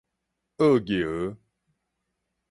薁蕘